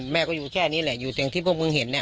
แม่ก็แค่อยู่โทษแหลงด้วย